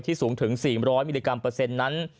สูงถึง๔๐๐มิลลิกรัมเปอร์เซ็นต์นั้น